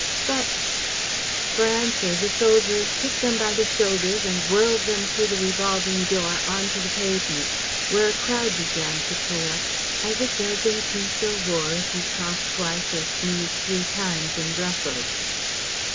"But " For answer, the soldiers took them by the shoulders and whirled them through the revolving door on to the pavement, where a crowd began to collect, as it does in peace or war if you cough twice or sneeze three times in Brussels.